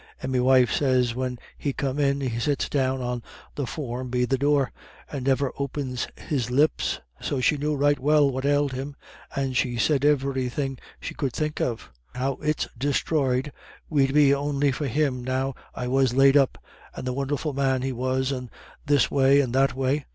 And me wife sez when he come in, he sits down on the form be the door, and niver opens his lips. So she knew right well what ailed him, and she said iverythin' she could think of how it's disthroyed we'd be on'y for him now I was laid up, and the won'erful man he was, and this way and that way.